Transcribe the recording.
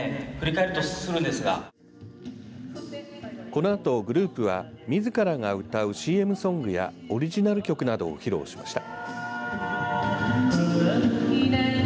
この後グループはみずからが歌うＣＭソングやオリジナル曲などを披露しました。